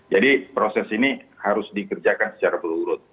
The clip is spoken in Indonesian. jadi proses ini harus dikerjakan secara berurut